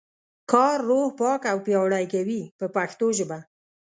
کار روح پاک او پیاوړی کوي په پښتو ژبه.